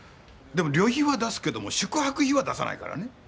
でも旅費は出すけども宿泊費は出さないからね。